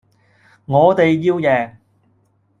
我哋要贏